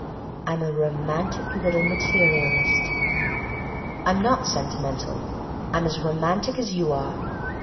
I'm a romantic little materialist." "I'm not sentimental—I'm as romantic as you are.